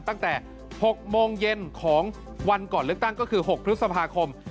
ตั้งแต่๖โมงเย็นของวันก่อนเลือกตั้งก็คือ๖พฤษภาคม